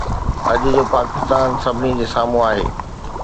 اڄ جو پاڪستان سڀني جي سامهون آهي.